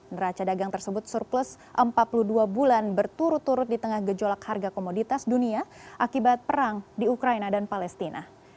neraca dagang tersebut surplus empat puluh dua bulan berturut turut di tengah gejolak harga komoditas dunia akibat perang di ukraina dan palestina